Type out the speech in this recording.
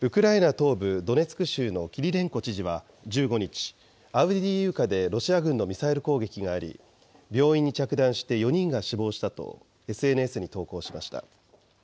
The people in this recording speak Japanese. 東部ドネツク州のキリレンコ知事は１５日、アウディーイウカでロシア軍のミサイル攻撃があり、病院に着弾して４人が死亡したと、ＳＮＳに投稿しました。